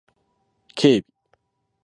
警備